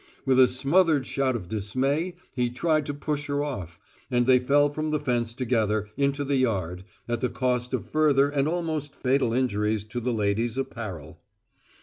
With a smothered shout of dismay he tried to push her off, and they fell from the fence together, into the yard, at the cost of further and almost fatal injuries to the lady's apparel.